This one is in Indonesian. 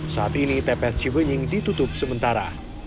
saat ini tps cibenying ditutup sementara